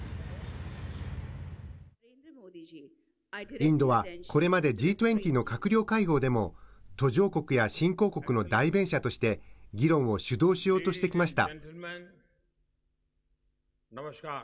インドはこれまでＧ２０の閣僚会合でも、途上国や新興国の代弁者として議論を主導しようとしてきました。